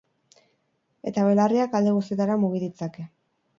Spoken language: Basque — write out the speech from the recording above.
Eta belarriak, alde guztietara mugi ditzake.